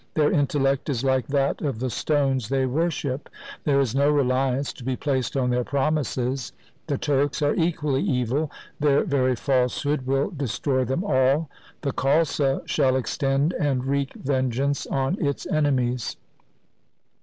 Their intellect is like that of the stones they worship. There is no reliance to be placed on their promises. The Turks are equally evil. Their very falsehood SIKH. N 178 THE SIKH RELIGION will destroy them all. The Khalsa shall extend and wreak vengeance on its enemies.'